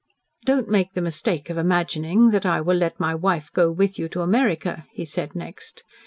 "Don't make the mistake of imagining that I will let my wife go with you to America," he said next.